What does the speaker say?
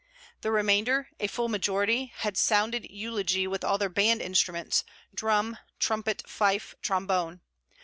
The remainder, a full majority, had sounded eulogy with all their band instruments, drum, trumpet, fife, trombone.